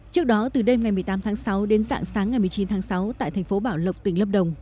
trước đó từ đêm ngày một mươi tám tháng sáu đến dạng sáng ngày một mươi chín tháng sáu tại thành phố bảo lộc tỉnh lâm đồng